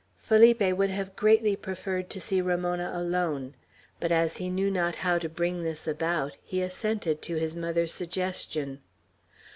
Felipe would have greatly preferred to see Ramona alone; but as he knew not how to bring this about he assented to his mother's suggestion.